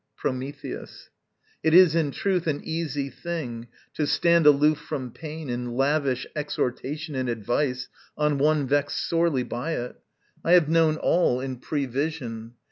Prometheus. It is in truth An easy thing to stand aloof from pain And lavish exhortation and advice On one vexed sorely by it. I have known All in prevision.